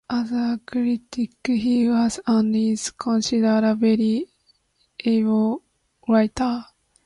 As a critic, he was and is considered a very able writer.